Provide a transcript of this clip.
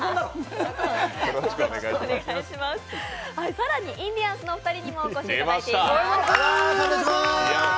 更にインディアンスのお二人にもお越しいただいています。